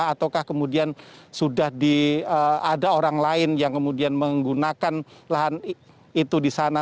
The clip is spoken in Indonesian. ataukah kemudian sudah ada orang lain yang kemudian menggunakan lahan itu di sana